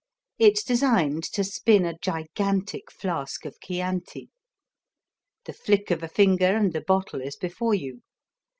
It's designed to spin a gigantic flask of Chianti. The flick of a finger and the bottle is before you.